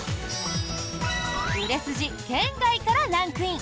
売れ筋圏外からランクイン！